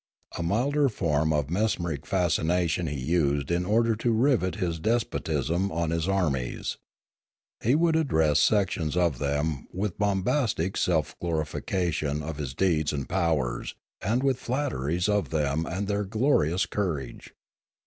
A milder form of mesmeric fascination he used in order to rivet his despotism on his armies. He would address sections of them with bombastic self glorification of his deeds and powers and with flatteries of them and their glorious courage.